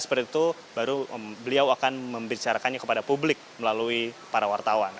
seperti itu baru beliau akan membicarakannya kepada publik melalui para wartawan